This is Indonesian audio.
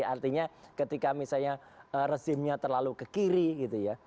artinya ketika misalnya rezimnya terlalu ke kiri gitu ya